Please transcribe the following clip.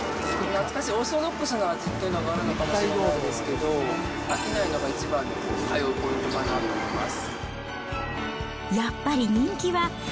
懐かしいオーソドックスな味っていうのがあるかもしれないんですけど、飽きないのが一番の通うポイントかなと思います。